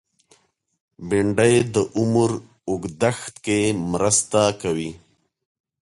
بېنډۍ د عمر اوږدښت کې مرسته کوي